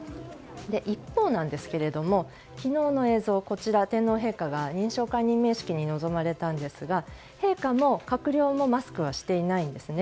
一方なんですけれども昨日の映像天皇陛下が認証官任命式に臨まれたんですが陛下も閣僚もマスクはしていないんですね。